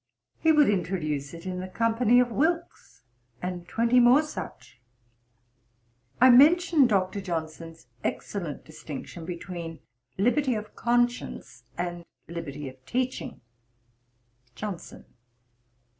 He would introduce it in the company of Wilkes, and twenty more such.' I mentioned Dr. Johnson's excellent distinction between liberty of conscience and liberty of teaching. JOHNSON.